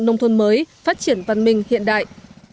nông thôn mới phát triển văn minh hiện đại